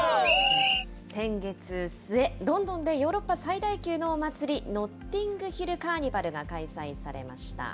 先月末、ロンドンでヨーロッパ最大級のお祭り、ノッティングヒル・カーニバルが開催されました。